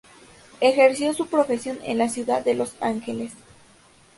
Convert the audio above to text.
Ejerció su profesión en la ciudad de Los Ángeles.